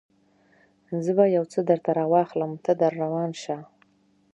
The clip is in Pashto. زه به یو څه درته راواخلم، ته در روان شه.